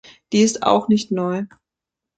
Die ist auch nicht neu.